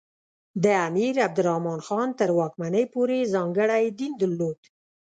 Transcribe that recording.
د امیر عبدالرحمان خان تر واکمنۍ پورې ځانګړی دین درلود.